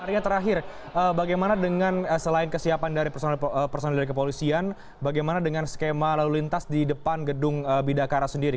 arya terakhir bagaimana dengan selain kesiapan dari personil dari kepolisian bagaimana dengan skema lalu lintas di depan gedung bidakara sendiri